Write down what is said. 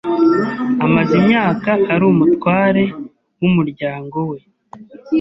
Amaze imyaka ari umutware wumuryango we.